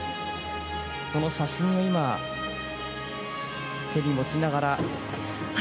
その写真を今、手に持ちながら。